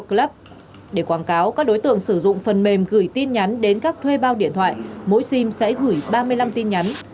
theo đó các đối tượng sử dụng phần mềm gửi tin nhắn đến các thuê bao điện thoại mỗi sim sẽ gửi ba mươi năm tin nhắn